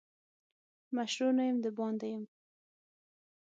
مشرو نه یم دباندي.